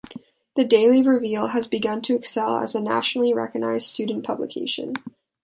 The "Daily Reveille" has begun to excel as a nationally recognized student publication.